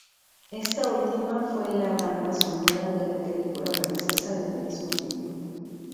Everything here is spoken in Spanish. Esta última fue la banda sonora de la película francesa del mismo título.